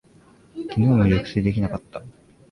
きのうも熟睡できなかった。